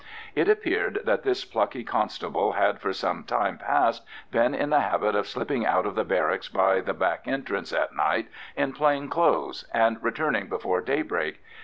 It appeared that this plucky constable had for some time past been in the habit of slipping out of the barracks by the back entrance at night in plain clothes and returning before daybreak.